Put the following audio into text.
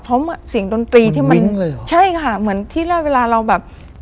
เพราะเสียงดนตรีที่มันเร็วใช่ค่ะเหมือนที่เวลาเราแบบ